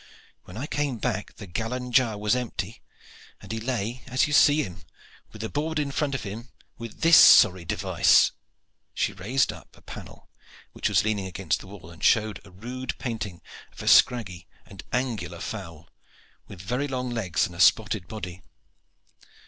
When I came back the gallon jar was empty, and he lay as you see him, with the board in front of him with this sorry device." She raised up a panel which was leaning against the wall, and showed a rude painting of a scraggy and angular fowl, with very long legs and a spotted body.